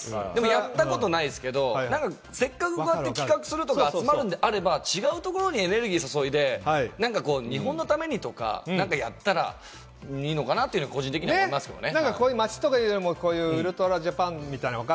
やったことないですけれども、せっかく企画するとか集まるんであれば、違うところにエネルギー注いで日本のためにとか何かやったらいいのかなって、個人的には思いますけれどもね。